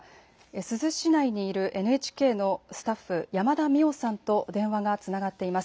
珠洲市内にいるＮＨＫのスタッフ、山田未央さんと電話がつながっています。